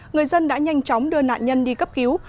người dân đã nhanh chóng đưa nạn nhân đi cấp cứu